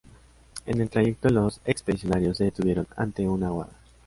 En el trayecto, los expedicionarios se detuvieron ante una aguada.